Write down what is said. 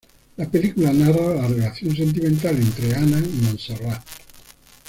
La película narra la relación sentimental entre Anna y Montserrat.